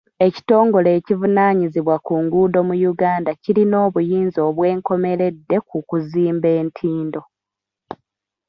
Ekitongole ekivunaanyizibwa ku nguudo mu Uganda kirina obuyinza obwenkomeredde ku kuzimba entindo.